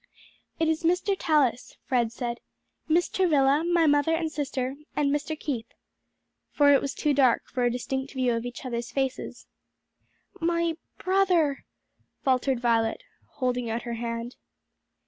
"It is Mr. Tallis," Fred said; "Miss Travilla, my mother and sister, and Mr. Keith," for it was too dark for a distinct view of each other's faces. "My brother?" faltered Violet, holding out her hand.